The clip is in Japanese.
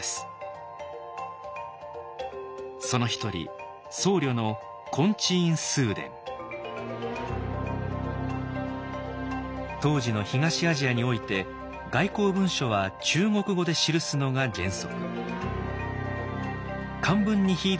その一人僧侶の当時の東アジアにおいて外交文書は中国語で記すのが原則。